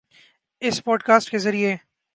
اس podcast کے ذریعے